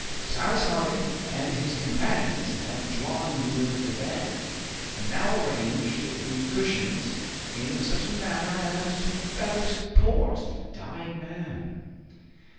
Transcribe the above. Cyrus Harding and his companions had drawn near the divan, and now arranged the cushions in such a manner as to better support the dying man.